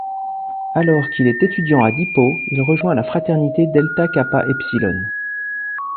Alors qu'il est étudiant à DePauw, il rejoint la fraternité Delta Kappa Epsilon.